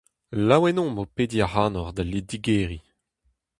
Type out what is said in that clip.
Laouen omp o pediñ ac'hanoc'h d'al lid-digeriñ.